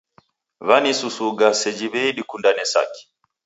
Wanisusuga seji w'ei dakundane saki!